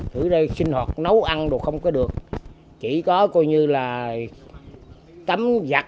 thử đây sinh hoạt nấu ăn đồ không có được chỉ có coi như là tấm giặt